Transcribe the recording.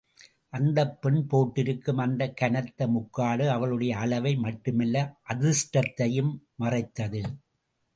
அந்தப் பெண் போட்டிருக்கும் அந்த கனத்த முக்காடு, அவளுடைய அளவை மட்டுமல்ல, அதிர்ஷ்டத்தையும் மறைத்தது.